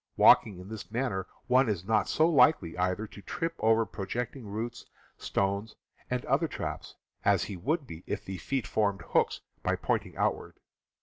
Walking in this manner, one is not so likely, either, to trip over projecting roots, stones, and other traps, as he would be if the feet formed hooks by pointing outward.